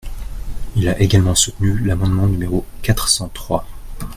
Il a également soutenu l’amendement numéro quatre cent trois.